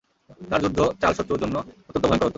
তার যুদ্ধ চাল শত্রুর জন্য অত্যন্ত ভয়ঙ্কর হত।